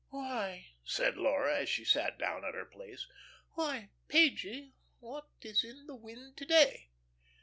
"Why," said Laura, as she sat down at her place, "why, Pagie, what is in the wind to day?"